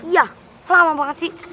iya lama banget sih